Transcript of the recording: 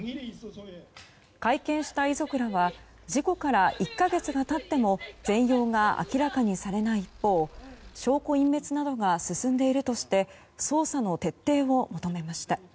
会見した遺族らは事故から１か月が経っても全容が明らかにされない一方証拠隠滅などが進んでいるとして捜査の徹底を求めました。